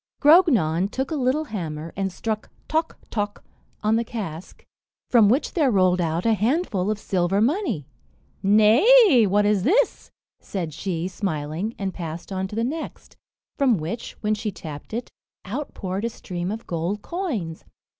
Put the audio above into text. Grognon took a little hammer, and struck "toc, toc," on the cask, from which there rolled out a handful of silver money. "Nay, what is this?" said she, smiling, and passed on to the next, from which, when she tapped it, out poured a stream of gold coins.